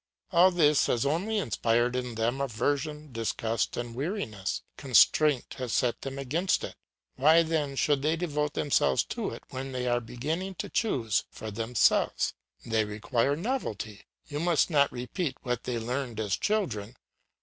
All this has only inspired in them aversion, disgust, and weariness; constraint has set them against it; why then should they devote themselves to it when they are beginning to choose for themselves? They require novelty, you must not repeat what they learned as children.